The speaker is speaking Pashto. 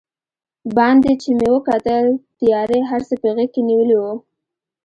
باندې چې مې وکتل، تیارې هر څه په غېږ کې نیولي و.